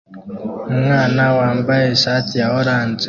Umwana wambaye ishati ya orange